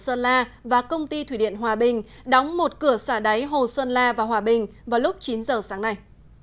sơn la và công ty thủy điện hòa bình đóng một cửa xả đáy hồ sơn la và hòa bình vào lúc chín giờ sáng nay